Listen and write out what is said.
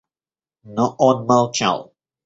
Но он молчал.